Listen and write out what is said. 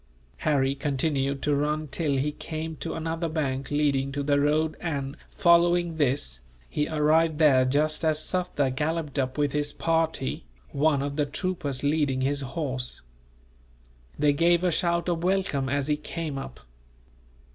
Harry continued to run till he came to another bank leading to the road and, following this, he arrived there just as Sufder galloped up with his party, one of the troopers leading his horse. They gave a shout of welcome, as he came up.